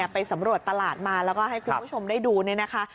ไปสำรวจตลาดมาแล้วก็ให้คุณผู้ชมได้ดูเนี่ยนะคะ